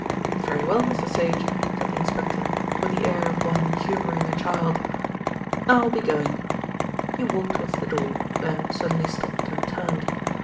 "Very well, Mr. Sage," said the inspector, with the air of one humouring a child. "Now I'll be going." He walked towards the door, then suddenly stopped and turned.